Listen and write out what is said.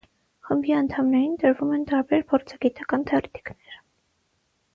Խմբի անդամներին տրվում են տարբեր փորձագիտական թերթիկներ։